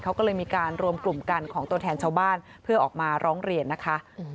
เขาก็เลยมีการรวมกลุ่มกันของตัวแทนชาวบ้านเพื่อออกมาร้องเรียนนะคะ